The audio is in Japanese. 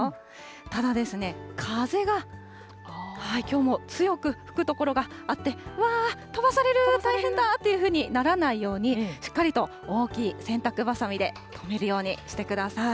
ただですね、風が、きょうも強く吹く所があって、うわー、飛ばされる、大変だ！っていうふうにならないように、しっかりと大きい洗濯ばさみで留めるようにしてください。